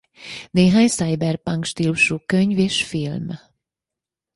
Néhány cyberpunk stílusú könyv és film.